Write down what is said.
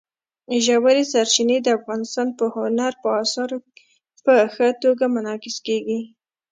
ژورې سرچینې د افغانستان په هنر په اثار کې په ښه توګه منعکس کېږي.